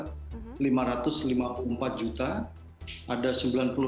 kalau kita lihat di facebook